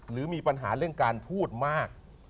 หรือมีปัญหาเรื่องการพูดมาก